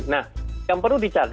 nah yang perlu dicatat